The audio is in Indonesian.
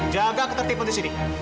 jaga ketertiban disini